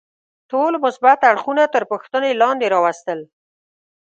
ټول مثبت اړخونه تر پوښتنې لاندې راوستل.